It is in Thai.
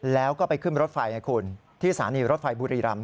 แล้วก็ไปขึ้นรถไฟที่สารหนีรถไฟบุรีรำ